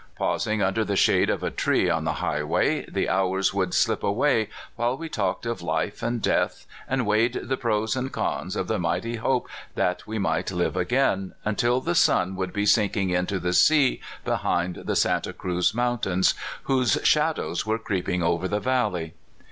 Pausing under the shade of a tree on the highway, the hours would slip away while we talked of life and death, and weighed the pros and cons of the mighty hope that we might live again, until the sun would be sinking into the sea behind the Santa Cruz Mount ains, whose shadows were creeping over the valley.